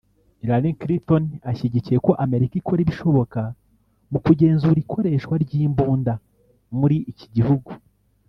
Hillary Clinton ashyigikiye ko Amerika ikora ibishoboka mu kugenzura ikoreshwa ry’imbunda muri iki gihugu